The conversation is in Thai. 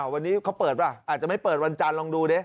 วันนี้เขาเปิดป่ะอาจจะไม่เปิดวันจันทร์ลองดูดิ